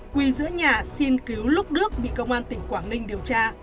quy giữa nhà xin cứu lúc đức bị công an tỉnh quảng ninh điều tra